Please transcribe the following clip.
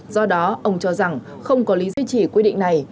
do đó ông cho rằng không có lý duy trì quy định này